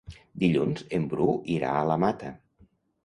Dilluns en Bru irà a la Mata.